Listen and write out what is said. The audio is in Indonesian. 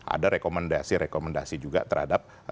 ada rekomendasi rekomendasi juga terhadap